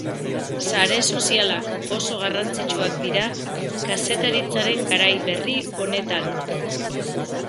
Sare sozialak oso garrantzitsuak dira kazetaritzaren garai berri honetan.